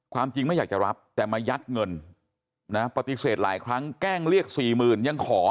ความจริงไม่อยากจะรับแต่มายัดเงินนะปฏิเสธหลายครั้งแกล้งเรียกสี่หมื่นยังขอ